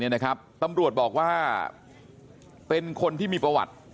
นี่นะครับตำรวจบอกว่าเป็นคนที่มีประวัติ